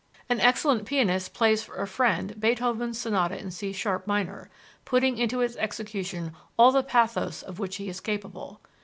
An excellent pianist plays for a friend Beethoven's sonata in C sharp minor, putting into its execution all the pathos of which he is capable.